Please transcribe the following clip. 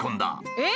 えっ！